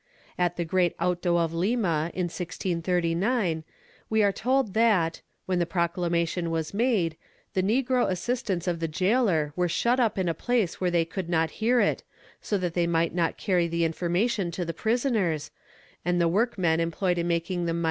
At the great auto of Lima, in 1639, we are told that, when the proclamation was made, the negro assistants of the gaoler were shut up in a place where they could not hear it, so that they might not carry the information to the prisoners, and the workmen employed in making the mitres, * Bibl.